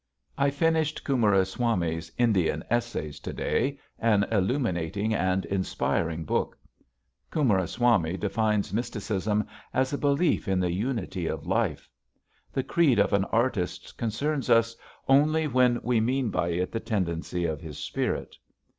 [Illustration: "GO TO BED"] I finished Coomeraswamy's "Indian Essays" to day, an illuminating and inspiring book. Coomeraswamy defines mysticism as a belief in the unity of life. The creed of an artist concerns us only when we mean by it the tendency of his spirit.